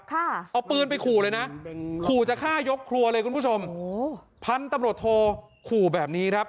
ค่ะเอาปืนไปขู่เลยนะขู่จะฆ่ายกครัวเลยคุณผู้ชมโอ้โหพันธุ์ตำรวจโทขู่แบบนี้ครับ